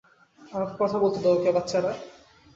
আমাকে কথা বলতে দাও ওকে, বাচ্চারা!